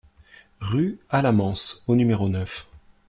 Rue Alamans au numéro neuf